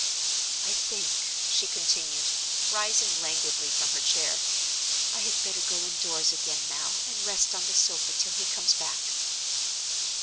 I think," she continued, rising languidly from her chair, "I had better go indoors again now and rest on the sofa till he comes back."